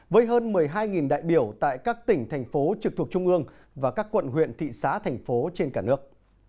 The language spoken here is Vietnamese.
với hơn một mươi hai đại biểu tại các tỉnh thành phố trực thuộc trung ương và các quận huyện thị xã thành phố trên cả nước